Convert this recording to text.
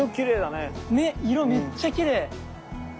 ねっ色めっちゃきれい！